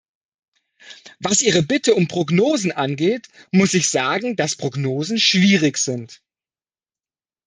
Was Ihre Bitte um Prognosen angeht, muss ich sagen, dass Prognosen schwierig sind.